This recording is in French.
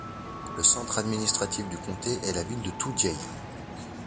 Le centre administratif du comté est la ville de Toodyay.